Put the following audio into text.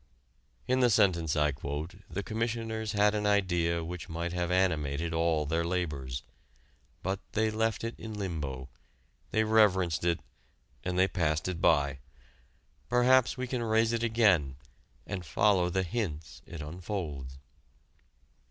In the sentence I quote the Commissioners had an idea which might have animated all their labors. But they left it in limbo, they reverenced it, and they passed by. Perhaps we can raise it again and follow the hints it unfolds.